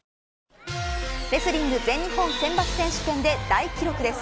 レスリング全日本選抜選手権で大記録です。